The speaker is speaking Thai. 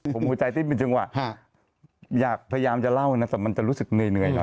ผมหัวใจเต้นเป็นจังหวะอยากพยายามจะเล่านะแต่มันจะรู้สึกเหนื่อยหน่อย